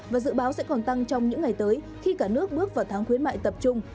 và dự báo sẽ còn tăng trong những ngày tới khi cả nước bước vào tháng khuyến mại tập trung